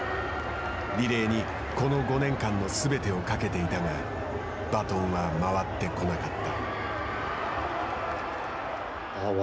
リレーにこの５年間のすべてをかけていたがバトンは回ってこなかった。